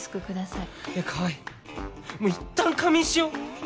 いったん仮眠しよう！